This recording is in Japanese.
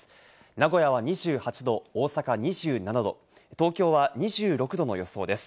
名古屋は２８度、大阪は２７度、東京は２６度の予想です。